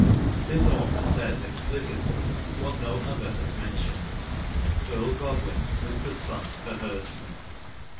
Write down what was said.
This author says explicitly what no other has mentioned — ^Earl Godwin was the son of a herdsman."